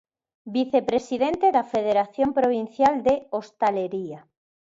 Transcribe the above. Vicepresidente da Federación Provincial de Hostalería.